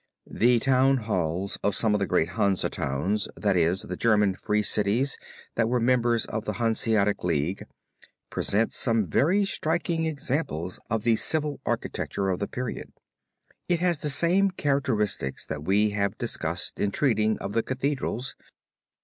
The town halls of some of the great Hansa towns, that is, the German free cities that were members of the Hanseatic League, present some very striking examples of the civil architecture of the period. It has the same characteristics that we have discussed in treating of the Cathedrals.